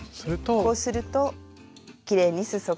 こうするときれいにすそが縫えます。